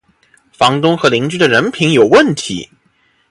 房东和邻居的人品有问题